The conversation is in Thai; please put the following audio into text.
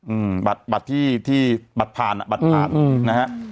อืมบัตรที่บัตรผ่านอ่ะบัตรผ่านนะฮะ